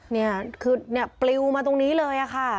นี่คือปลิวมาตรงนี้เลยค่ะ